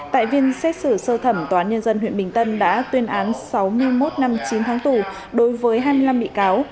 tại viên xét xử sơ thẩm tòa án nhân dân huyện bình tân đã tuyên án sáu mươi một năm chín tháng tù đối với hai mươi năm bị cáo